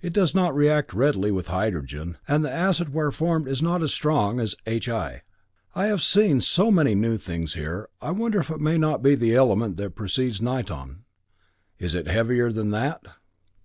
It does not react readily with hydrogen, and the acid where formed is not as strong as HI." "I have seen so many new things here, I wonder if it may not be the element that precedes niton. Is it heavier than that?"